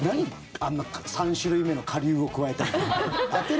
あんな、３種類目の顆粒を加えたみたいな。